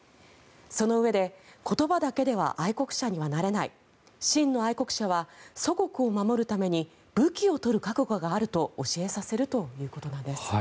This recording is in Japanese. そのうえで、言葉だけでは愛国者にはなれない真の愛国者は祖国を守るために武器を取る覚悟があると教えさせるということなんです。